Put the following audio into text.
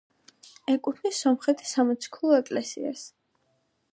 ეკუთვნის სომხეთის სამოციქულო ეკლესიას.